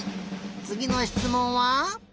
つぎのしつもんは？